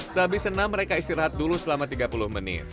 sehabis senam mereka istirahat dulu selama tiga puluh menit